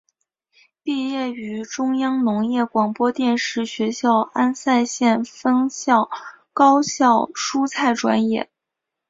毕业于中央农业广播电视学校安塞县分校高效蔬菜专业。